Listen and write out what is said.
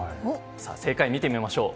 正解を見てみましょう。